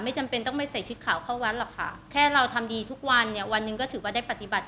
จำเป็นต้องไม่ใส่ชุดขาวเข้าวัดหรอกค่ะแค่เราทำดีทุกวันเนี่ยวันหนึ่งก็ถือว่าได้ปฏิบัติ